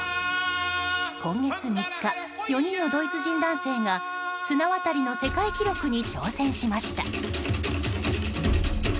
今月３日、４人のドイツ人男性が綱渡りの世界記録に挑戦しました。